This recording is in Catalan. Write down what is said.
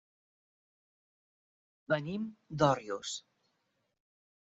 Venim d'Òrrius.